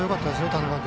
田中君。